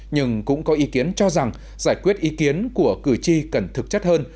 nhưng cũng có ý kiến cho rằng giải quyết ý kiến của cử tri cần thực chất hơn